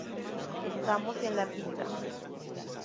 Estamos en la pista".